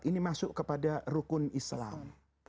ini masuk kepada rukun islam